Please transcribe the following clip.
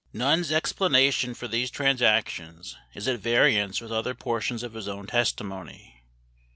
Nunn's explanation for these transactions is at variance with other portions of his own testimony.